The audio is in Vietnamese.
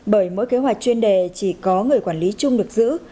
bởi mỗi kế hoạch chuyên đề chỉ có người quản lý chung được giữ